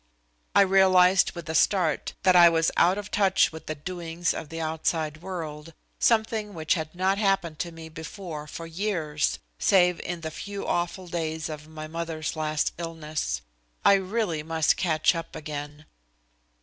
I realized with a start that I was out of touch with the doings of the outside world, something which had not happened to me before for years, save in the few awful days of my mother's last illness. I really must catch up again.